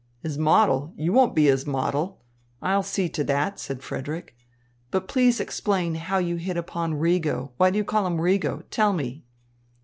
"His model? You won't be his model. I'll see to that," said Frederick. "But please explain how you hit upon 'Rigo'? Why do you call him 'Rigo'? Tell me."